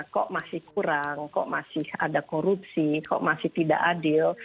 kok masih kurang kok masih ada korupsi kok masih tidak adil